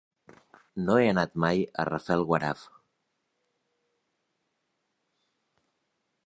No he anat mai a Rafelguaraf.